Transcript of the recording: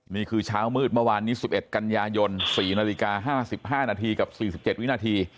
นี่คือเช้ามืดเมื่อวานนี้๑๑กันยายน๔นาฬิกา๕๕นาทีกับ๔๗วินาที